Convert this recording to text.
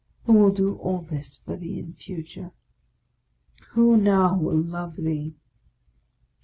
Who will do all this for thee in future ? Who now will love thee?